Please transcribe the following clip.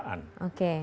itu yang kita sebutkan